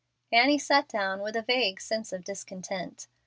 Annie sat down with a vague sense of discontent.